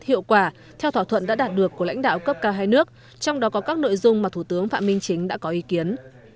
hiệu quả theo thỏa thuận đã đạt được của lãnh đạo cấp cao hai nước trong đó có các nội dung mà thủ tướng phạm minh chính đã có ý kiến